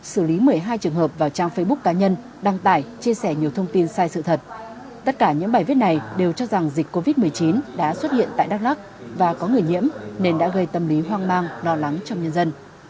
xử lý một mươi hai trường hợp vào trang facebook cá nhân đăng tải chia sẻ nhiều thông tin sai sự thật tất cả những bài viết này đều cho rằng dịch covid một mươi chín đã xuất hiện tại đắk lắc và có người nhiễm nên đã gây tâm lý hoang mang lo lắng trong nhân dân